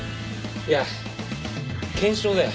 いや検証だよ。